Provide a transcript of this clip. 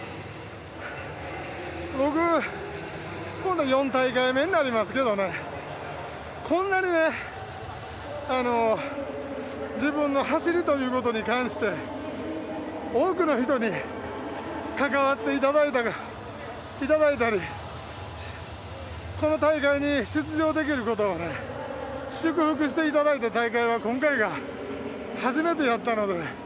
僕、これが４大会目になりますけどこんなにね自分の走りということに関して多くの人に関わっていただいたりこの大会に出場できることを祝福していただいた大会は今回が初めてやったので。